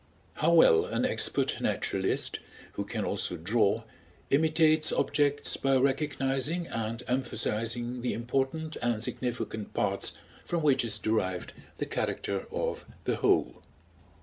How well an expert naturalist, who can also draw, imitates objects by recognizing and emphasizing the important and significant parts from which is derived the character of the whole!